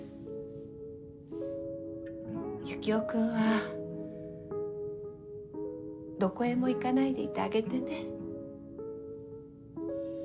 ユキオ君はどこへも行かないでいてあげてね。